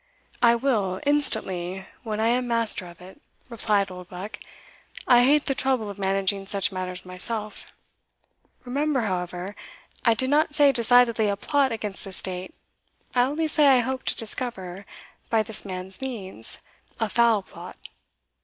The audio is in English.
"I will, instantly, when I am master of it," replied Oldbuck "I hate the trouble of managing such matters myself. Remember, however, I did not say decidedly a plot against the state I only say I hope to discover, by this man's means, a foul plot."